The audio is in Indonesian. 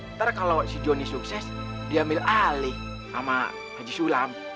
nanti kalau si jonny sukses dia ambil alih sama haji sulam